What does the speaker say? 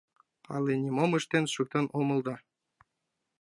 — Але нимом ыштен шуктен омыл да...